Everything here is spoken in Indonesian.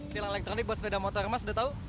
tilang elektronik buat sepeda motor mas udah tahu